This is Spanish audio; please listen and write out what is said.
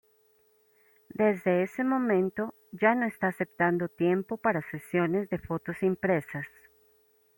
Desde ese momento, ya no está aceptando tiempo para sesiones de fotos impresas.